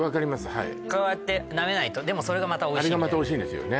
はいこうやってなめないとでもそれがまたおいしいあれがまたおいしいんですよね